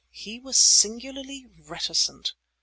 He was singularly reticent.